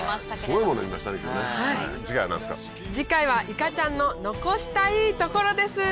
次回は「いかちゃんの残したいトコロ」です！